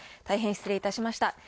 大変失礼いたしました。